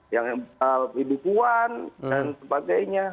yang ibu puan dan sebagainya